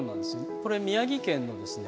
これ宮城県のですね